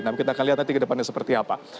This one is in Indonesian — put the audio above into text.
nanti kita akan lihat nanti ke depannya seperti apa